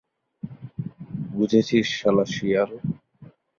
বুঝেছিস, শালা শিয়াল!